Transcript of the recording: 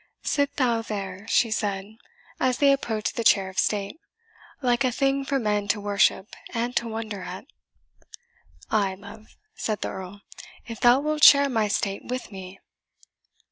Sit thou there," she said, as they approached the chair of state, "like a thing for men to worship and to wonder at." "Ay, love," said the Earl, "if thou wilt share my state with me."